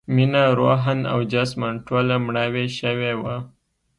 مينه روحاً او جسماً ټوله مړاوې شوې وه